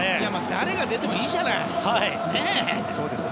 誰が出てもいいじゃない。